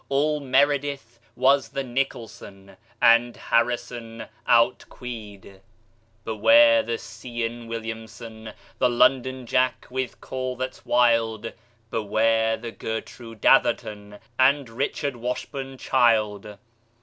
All meredith was the nicholson, And harrison outqueed. Beware the see enn william, son, The londonjack with call that's wild. Beware the gertroo datherton And richardwashburnchild.